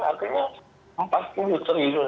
artinya empat puluh triliun